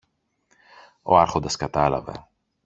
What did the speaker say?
Ο Άρχοντας κατάλαβε.